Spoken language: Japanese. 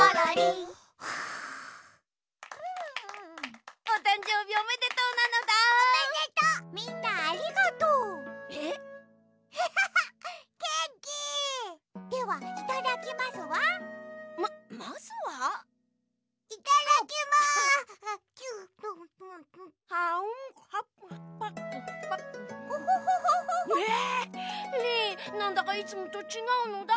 リンなんだかいつもとちがうのだ。